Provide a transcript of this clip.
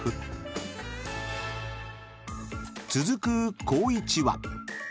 ［続く光一は？］